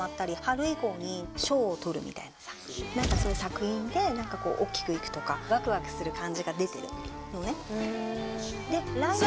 何かそういう作品で何かこうおっきくいくとかワクワクする感じが出てるのね。